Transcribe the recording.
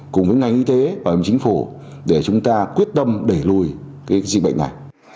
cùng với ngành y tế và chính phủ để chúng ta quyết tâm để lùi dịch bệnh này